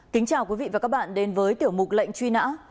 kính chào quý vị và các bạn đến với tiểu mục lệnh truy nã